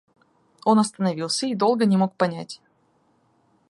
Он остановился и долго не мог понять.